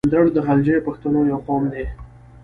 اندړ د غلجیو پښتنو یو قوم ده.